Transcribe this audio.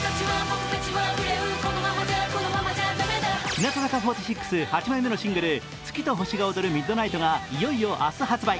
日向坂４６、８枚目のシングル「月と星が踊るＭｉｄｎｉｇｈｔ」がいよいよ明日発売。